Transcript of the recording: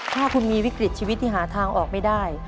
ถ้าคุณมีวิกฤตชีวิตที่หาทางออกไม่ได้